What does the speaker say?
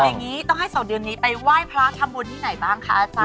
อย่างนี้ต้องให้๒เดือนนี้ไปไหว้พระทำบุญที่ไหนบ้างคะอาจาร